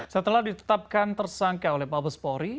setelah ditetapkan tersangka oleh mabespori